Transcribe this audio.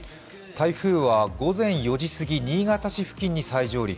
台風は午前４時すぎ、新潟市付近に再上陸。